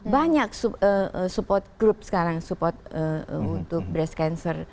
banyak support group sekarang support untuk breast cancer